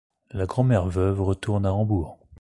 La grand-mère veuve retourne à Hambourg.